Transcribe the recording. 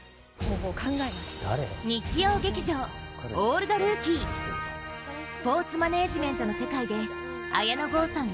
日曜劇場「オールドルーキー」スポーツマネージメントの世界で、綾野剛さん